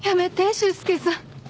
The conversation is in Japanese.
修介さん。